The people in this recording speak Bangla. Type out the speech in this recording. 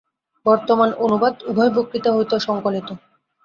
বর্তমান অনুবাদ উভয় বক্তৃতা হইতে সঙ্কলিত।